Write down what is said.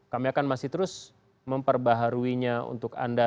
kami akan masih terus memperbaharuinya untuk anda